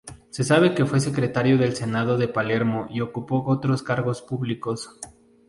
Se sabe que fue secretario del Senado de Palermo y ocupó otros cargos públicos.